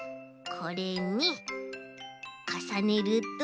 これにかさねると。